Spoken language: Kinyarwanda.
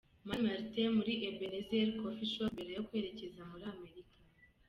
Mani Martin muri Ebenezer Coffe Shop mbere yo kwerekeza muri Amerika.